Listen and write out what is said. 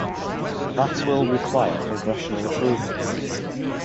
That will require congressional approval.